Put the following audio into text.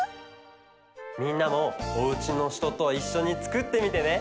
みんなもおうちのひとといっしょにつくってみてね。